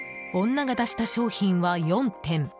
女が出した商品は４点。